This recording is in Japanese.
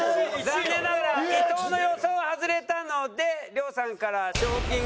残念ながら伊藤の予想は外れたので亮さんから賞金ゲットならず。